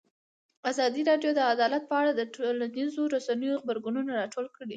ازادي راډیو د عدالت په اړه د ټولنیزو رسنیو غبرګونونه راټول کړي.